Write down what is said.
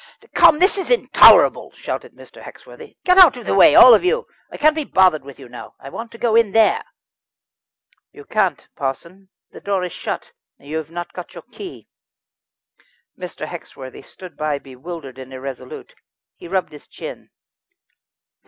"Come, this is intolerable," shouted Mr. Hexworthy. "Get out of the way, all of you. I can't be bothered with you now. I want to go in there." "You can't, parson! the door is shut, and you have not got your key." Mr. Hexworthy stood bewildered and irresolute. He rubbed his chin.